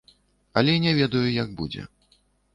Але не ведаю, як будзе.